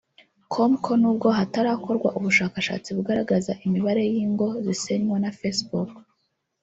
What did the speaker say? com ko nubwo hatarakorwa ubushakashatsi bugaragaza imibare y’ingo zisenywa na facebook